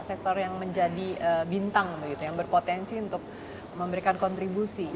sektor yang menjadi bintang yang berpotensi untuk memberikan kontribusi